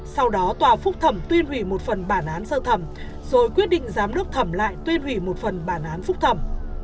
sau đó tòa phúc thẩm tuyên hủy một phần bản án sơ thẩm rồi quyết định giám đốc thẩm lại tuyên hủy một phần bản án phúc thẩm